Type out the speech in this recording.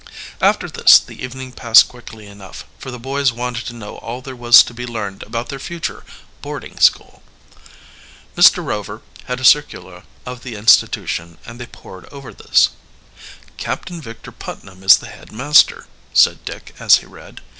After this the evening passed quickly enough, for the boys wanted to know all there was to be learned about their future boarding school. Mr. Rover had a circular of the institution, and they pored over this. "Captain Victor Putnam is the head master," said Dick, as he read.